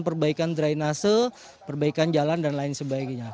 kami akan lakukan perbaikan drainase perbaikan jalan dan lain sebagainya